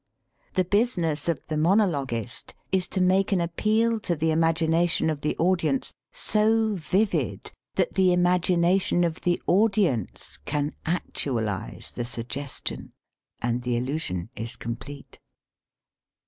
The business of the monologuist is to make an appeal to the imagination of the audience so vivid that the imagination of the audience can actualize the suggestion. And the illusion is complete.